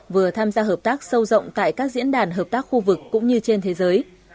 vừa tham gia hợp tác sâu rộng tại các diễn đàn hợp tác khu vực cũng như trên thế giới